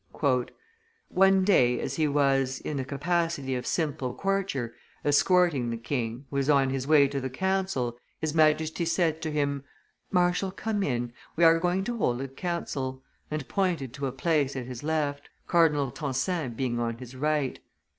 [Illustration: Louis XV. and his Councillors 148] "One day as he was, in the capacity of simple courtier, escorting the king, who was on his way to the Council, his Majesty said to him, "Marshal, come in; we are going to hold a council," and pointed to a place at his left, Cardinal Tencin being on his right.